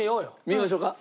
見ましょうか？